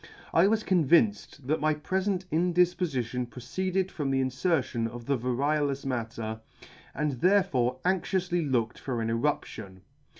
I was convinced my prefent indifpofi tion proceeded from the infertion of the variolous matter, and therefore anxioufly looked for an eruption.